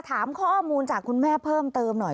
ถามข้อมูลจากคุณแม่เพิ่มเติมหน่อย